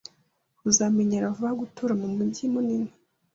Uzamenyera vuba gutura mumujyi munini.